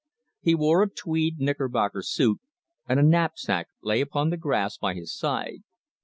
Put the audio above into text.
He wore a tweed knickerbocker suit, and a knapsack lay upon the grass by his side.